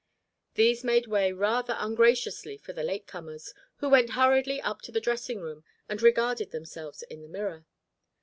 These made way rather ungraciously for the late comers, who went hurriedly up to the dressing room and regarded themselves in the mirror.